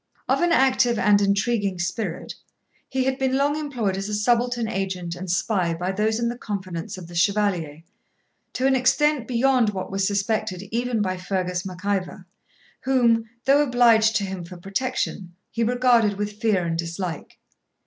Of an active and intriguing spirit, he had been long employed as a subaltern agent and spy by those in the confidence of the Chevalier, to an extent beyond what was suspected even by Fergus Mac Ivor, whom, though obliged to him for protection, he regarded with fear and dislike.